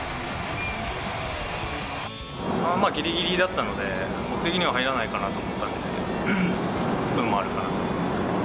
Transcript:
まあ、ぎりぎりだったので、僕的には入らないかなと思ったんですけど、運もあるかなと。